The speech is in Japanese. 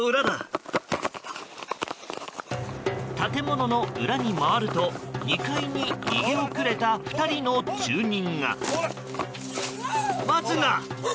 建物の裏に回ると、２階に逃げ遅れた２人の住人が。